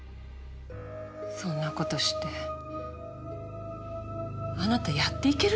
そんな事してあなたやっていけるの？